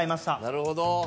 なるほど！